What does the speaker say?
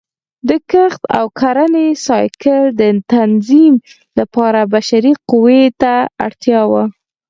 د کښت او کرنې سایکل د تنظیم لپاره بشري قوې ته اړتیا وه